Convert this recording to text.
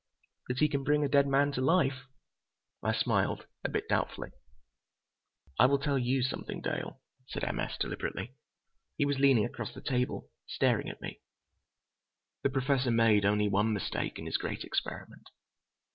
"That he can bring a dead man to life?" I smiled, a bit doubtfully. "I will tell you something, Dale," said M. S. deliberately. He was leaning across the table, staring at me. "The Professor made only one mistake in his great experiment.